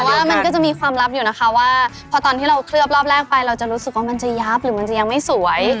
แต่ว่ามันก็จะมีความลับอยู่นะคะว่าพอตอนที่เราเคลือบรอบแรกไปเราจะรู้สึกว่ามันจะยับหรือมันจะยังไม่สวย